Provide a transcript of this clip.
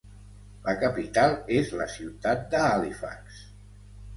La capital és la ciutat de Halifax.